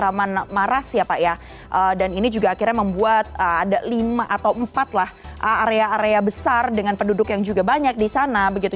taman maras ya pak ya dan ini juga akhirnya membuat ada lima atau empat lah area area besar dengan penduduk yang juga banyak di sana begitu